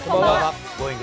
Ｇｏｉｎｇ！